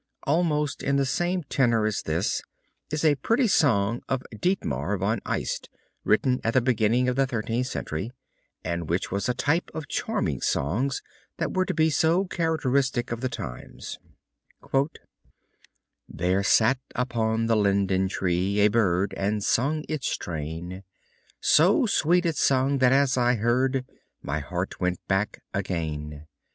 Almost in the same tenor as this is a pretty song from Dietmar von Eist, written at the beginning of the Thirteenth Century, and which was a type of the charming songs that were to be so characteristic of the times: There sat upon the linden tree A bird, and sung its strain; So sweet it sung that as I heard My heart went back again.